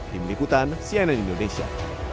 di melikutan cnn indonesia